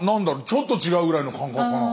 ちょっと違うぐらいの感覚かな。